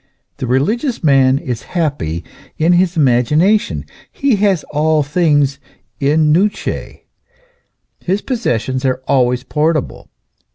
The religious man is happy in his imagination ; he has all things in mice ; his possessions are always portable.